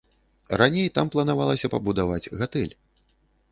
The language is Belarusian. Раней там планавалася пабудаваць гатэль.